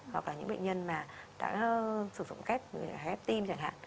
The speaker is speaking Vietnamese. hoặc là những bệnh nhân mà đã sử dụng cách tim chẳng hạn